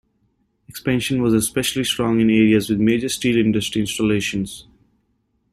Expansion was especially strong in areas with major steel industry installations.